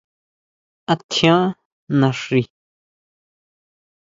¿A tjián naxi?